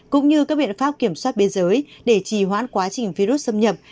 cũng như các biện pháp kiểm soát biên giới để trì hoãn quá trình virus xâm nhập